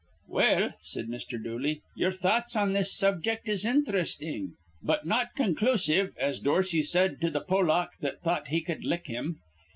"Well," said Mr. Dooley, "ye'er thoughts on this subject is inthrestin', but not conclusive, as Dorsey said to th' Pollack that thought he cud lick him.